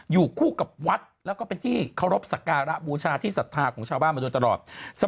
อยู่คู่กับวัดแล้วก็เป็นที่เคารพสักการะบูชาที่ศรัทธาของชาวบ้านมาโดยตลอด